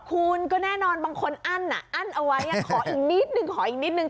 คุณก็แน่นอนบางคนอั้นอ่ะอั้นเอาไว้อ่ะขออีกนิดหนึ่ง